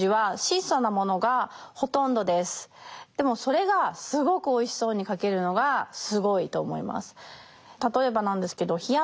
でもそれがすごくおいしそうに書けるのがすごいと思います。